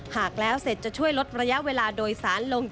หากแล้วเสร็จจะช่วยลดระยะเวลาโดยสารลง